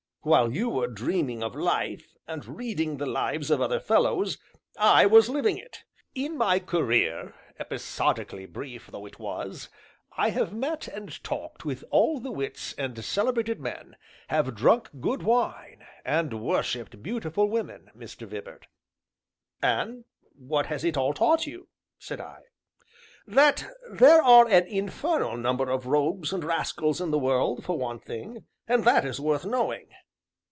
While you were dreaming of life, and reading the lives of other fellows, I was living it. In my career, episodically brief though it was, I have met and talked with all the wits, and celebrated men, have drunk good wine, and worshipped beautiful women, Mr. Vibart." "And what has it all taught you?" said I. "That there are an infernal number of rogues and rascals in the world, for one thing and that is worth knowing."